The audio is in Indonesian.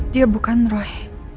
dia bukan roy